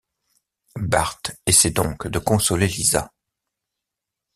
Bart essaye donc de consoler Lisa.